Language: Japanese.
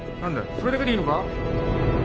それだけでいいのか？